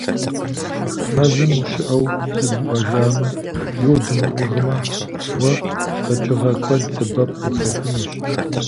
Мэзым ущыӀэу зыбуӀэжамэ, йод умыӀыгъмэ, уэ къэкӀыгъэ куэд сэбэп къыпхуэхъунущ.